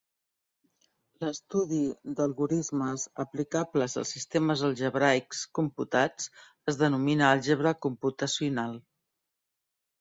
L'estudi d'algorismes aplicables als sistemes algebraics computats es denomina àlgebra computacional.